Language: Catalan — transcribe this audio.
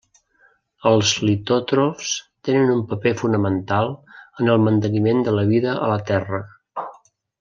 Els litòtrofs tenen un paper fonamental en el manteniment de la vida a la Terra.